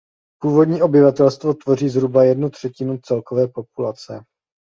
Původní obyvatelstvo tvoří zhruba jednu třetinu celkové populace.